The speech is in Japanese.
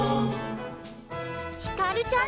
ひかるちゃん上手！